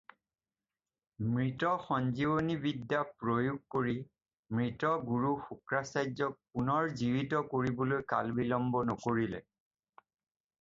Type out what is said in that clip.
মৃত-সঞ্জীৱনী বিদ্যা প্ৰয়োগ কৰি মৃত গুৰু শুক্ৰাচাৰ্য্যক পুনৰ জীৱিত কৰিবলৈ কালবিলম্ব নকৰিলে।